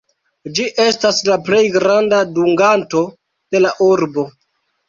Ĝi estas la plej granda dunganto de la urbo.